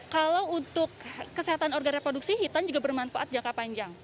kalau untuk kesehatan organ reproduksi hitam juga bermanfaat jangka panjang